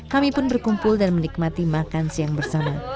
kami pun berkumpul dan menikmati makan siang bersama